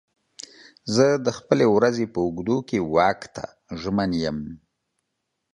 زه د خپلې ورځې په اوږدو کې واک ته ژمن یم.